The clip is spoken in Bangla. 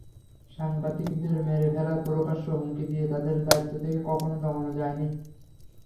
সাংবাদিকদের মেরে ফেলার প্রকাশ্য হুমকি দিয়ে তাঁদের দায়িত্ব থেকে কখনো দমানো যায়নি।